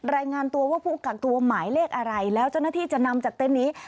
รายงานตัวว่าผู้กักตัวหมายเลขอะไรแล้วเจ้าหน้าที่จะนำจากเต็นต์นี้